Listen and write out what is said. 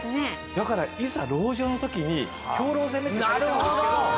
だからいざ籠城の時に兵糧攻めにされちゃうんですけど。